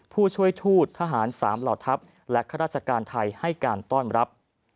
ผู้ช่วยทูตทหาร๓เหล่าทัพและข้าราชการไทยให้การต้อนรับ